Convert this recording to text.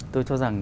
tôi cho rằng